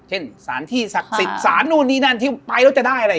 เช่นสารที่ศักดิ์สิทธิ์สารนู่นนี่นั่นที่ไปแล้วจะได้อะไร